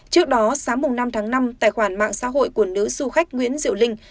trước đó sáng năm tháng năm tài khoản mạng xã hội của nữ du khách nguyễn diệu linh